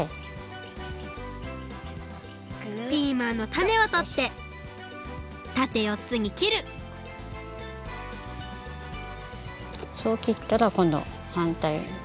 ピーマンのタネをとってたてよっつに切るそう切ったらこんどはんたい。